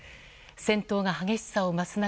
戦闘が激しさを増す中